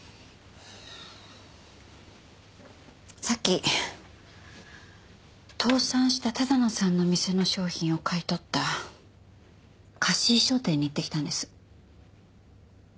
さっき倒産した多田野さんの店の商品を買い取った貸衣装店に行ってきたんです。